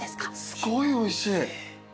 すごいおいしい。